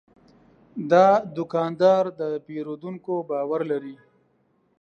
دا دوکاندار د پیرودونکو باور لري.